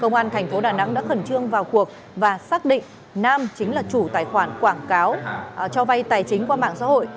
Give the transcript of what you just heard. cơ quan cảnh sát hình sự công an thành phố đà nẵng đã khẩn trương vào cuộc và xác định nam chính là chủ tài khoản quảng cáo cho vay tài chính qua mạng xã hội